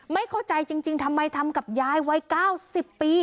ไม่เข้าใจจริงทำไมทำกับยายวัย๙๐ปี